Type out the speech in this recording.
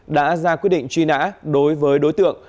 đã ra quyết định truy nã đối với đối tượng